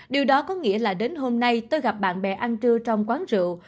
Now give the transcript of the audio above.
điều đó có nghĩa là đến hôm nay tôi gặp bạn bè ăn trưa trong quán rượu